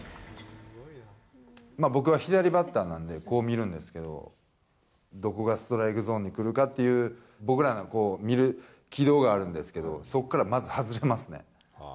僕は左バッターなんでこう見るんですけど、どこがストライクゾーンに来るかっていう、僕らの見る軌道があるんですけど、そこからまず外れますね。